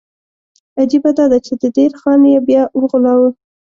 عجیبه دا ده چې د دیر خان یې بیا وغولاوه.